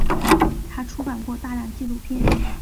他出版过大量纪录片。